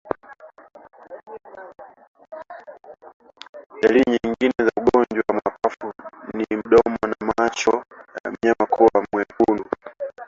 Dalili nyingine ya ugonjwa wa mapafu ni mdomo na macho ya mnyama kuwa mekundu